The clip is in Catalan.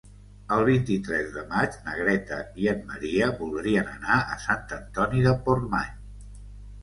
El vint-i-tres de maig na Greta i en Maria voldrien anar a Sant Antoni de Portmany.